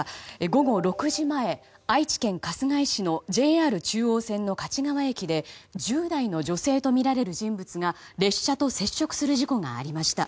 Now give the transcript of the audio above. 午後６時前、愛知県春日井市のＪＲ中央線の勝川駅で１０代の女性とみられる人物が列車と接触する事故がありました。